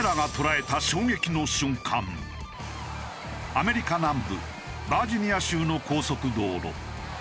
アメリカ南部バージニア州の高速道路。